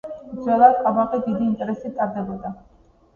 ძველად ყაბახი დიდი ინტერესით ტარდებოდა.